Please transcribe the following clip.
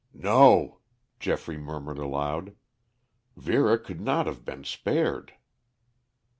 "No," Geoffrey murmured aloud; "Vera could not have been spared!"